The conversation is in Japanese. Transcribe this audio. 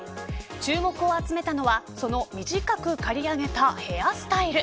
注目を集めたのはその短く刈り上げたヘアスタイル。